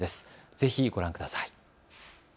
ぜひご覧ください。